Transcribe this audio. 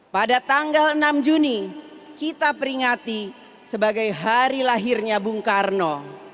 pada tanggal enam juni kita peringati sebagai hari lahirnya bung karno